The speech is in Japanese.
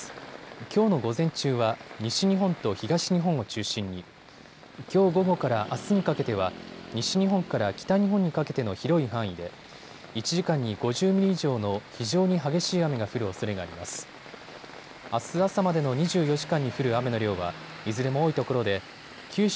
きょうの午前中は西日本と東日本を中心に、きょう午後からあすにかけては西日本から北日本にかけての広い範囲で１時間に５０ミリ以上の非常に激しい雨が降るおそれがあります。